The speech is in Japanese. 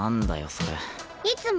それいつも